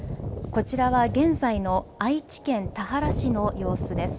こちらは現在の愛知県田原市の様子です。